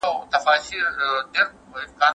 تر واده وروسته هم د دوی شخصي ژوند نورمال نه وي.